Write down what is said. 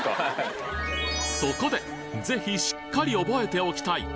そこで、ぜひしっかり覚えておきたい。